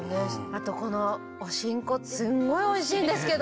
あとこのおしんこすんごいおいしいんですけど。